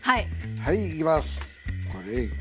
はいいきます。